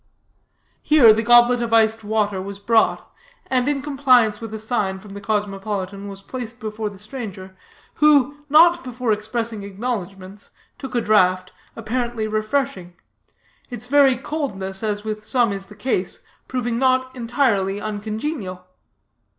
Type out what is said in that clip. Here the goblet of iced water was brought, and, in compliance with a sign from the cosmopolitan, was placed before the stranger, who, not before expressing acknowledgments, took a draught, apparently refreshing its very coldness, as with some is the case, proving not entirely uncongenial.